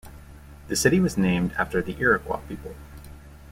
The city was named after the Iroquois people.